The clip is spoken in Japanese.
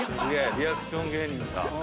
リアクション芸人だ。